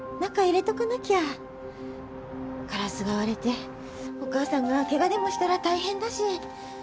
ガラスが割れてお母さんが怪我でもしたら大変だし。